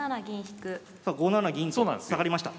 さあ５七銀と下がりました。